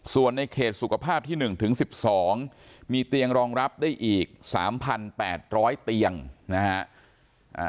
ส่วนในเขตสุขภาพที่๑ถึง๑๒มีเตียงรองรับได้อีก๓๘๐๐เตียงนะฮะ